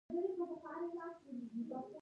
نږدې شیان ښه وینئ؟